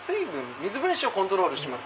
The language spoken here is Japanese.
水分子をコントロールします。